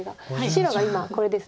白が今これです。